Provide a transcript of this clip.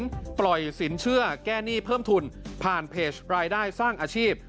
ปล่อยสินเชื่อแก้หนี้เพิ่มทุนผ่านเพจรายได้สร้างอาชีพ